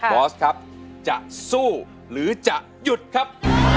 บอสครับจะสู้หรือจะหยุดครับ